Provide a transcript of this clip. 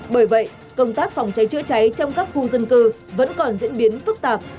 bởi vậy công tác phòng cháy chữa cháy trong các khu dân cư vẫn còn diễn biến phức tạp